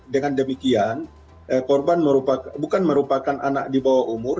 dengan demikian korban bukan merupakan anak di bawah umur